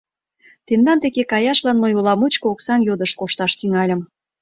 Тендан деке каяшлан мый ола мучко оксам йодышт кошташ тӱҥальым.